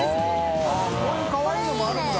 海Δいかわいいのもあるんだ。